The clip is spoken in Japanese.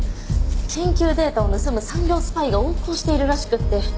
研究データを盗む産業スパイが横行しているらしくて。